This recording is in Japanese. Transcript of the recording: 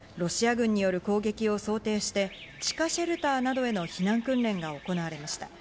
一方、キーウ近郊のイルピンの学校ではロシア軍による攻撃を想定して地下シェルターなどへの避難訓練が行われました。